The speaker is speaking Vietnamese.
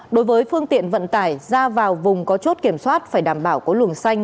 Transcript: đối với phương tiện vận tải ra vào vùng có chốt kiểm soát phải đảm bảo có luồng xanh